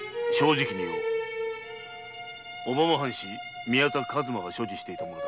小浜藩士・宮田数馬が所持していたものだ。